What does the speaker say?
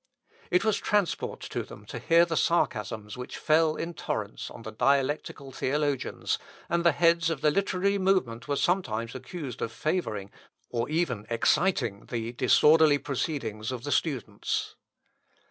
It was transport to them to hear the sarcasms which fell in torrents on the dialectical theologians, and the heads of the literary movement were sometimes accused of favouring, and even of exciting, the disorderly proceedings of the students.